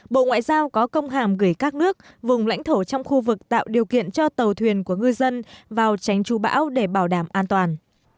bộ ngoại giao có công hàm gửi các nước vùng lãnh thổ trong khu vực tạo điều kiện cho tàu thuyền của ngư dân vào tránh tru bão để bảo đảm an toàn